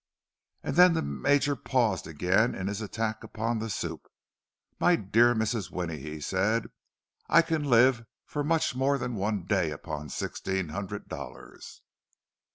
And then the Major paused again in his attack upon the soup. "My dear Mrs. Winnie," he said, "I can live for much more than one day upon sixteen hundred dollars!"